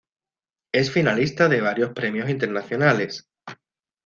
Es finalista de varios premios internacionales.